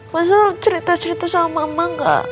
masalah cerita cerita sama mama gak